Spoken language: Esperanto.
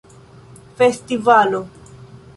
festivalo